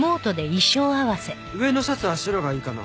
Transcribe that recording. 上のシャツは白がいいかな。